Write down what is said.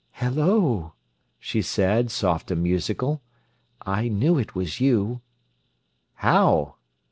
"Hello!" she said, soft and musical. "I knew it was you." "How?"